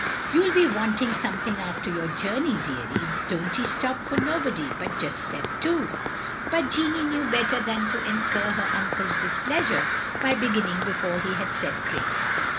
" You '11 be wanting something after yotir journey, deary. Dontee stop for nobody, but just set to." But Jeanne knew better than to incur her uncle's displeasure by beginning before he had said grace.